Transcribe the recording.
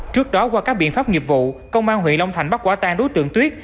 trước đó qua các biện pháp nghiệp vụ công an huyện long thành bắt quả tan đối tượng tuyết